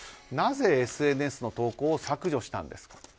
なぜＳＮＳの投稿を削除したんですか？